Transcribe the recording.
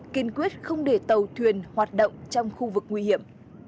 kiên quyết không để tàu thuyền hoạt động trong khu vực nguy hiểm